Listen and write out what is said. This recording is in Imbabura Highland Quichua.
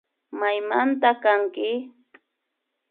Maymanta kanki